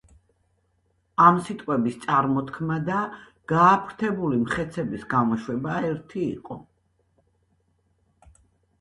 ამ სიტყვების წარმოთქმა და გააფთრებული მხეცების გამოშვება ერთი იყო.